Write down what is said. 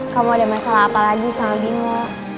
kamu ada masalah apa lagi sama bimo